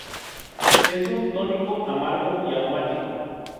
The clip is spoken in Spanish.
Es un tónico amargo y aromático.